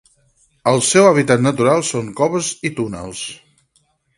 El seu hàbitat natural són coves i túnels.